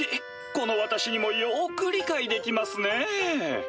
この私にもよく理解できますねぇ。